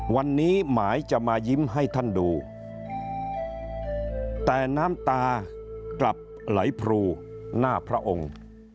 วันนี้หมายจะมายิ้มให้ท่านดูแต่น้ำตากลับไหลพรูหน้าพระองค์